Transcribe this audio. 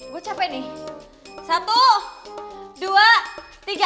gue capek nih satu dua tiga